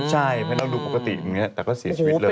ใช่ไปนั่งดูปกติอย่างนี้แต่ก็เสียชีวิตเลย